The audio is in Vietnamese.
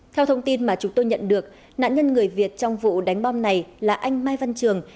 theo thông tin mà chúng tôi nhận được nạn nhân người việt trong vụ đánh bom này là anh mai văn trường